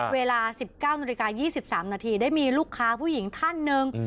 เวลา๑๙น๒๓นได้มีลูกค้าผู้หญิงท่านนึง